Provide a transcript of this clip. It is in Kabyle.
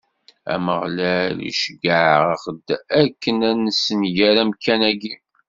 Ameɣlal iceggeɛ-aɣ-d akken ad nessenger amkan-agi.